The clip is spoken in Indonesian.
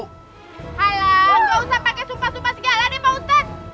halah gak usah pakai sumpah sumpah segala pak ustadz